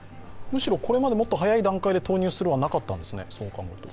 むしろこれまでもっと早い段階で投入する案はなかったんですね。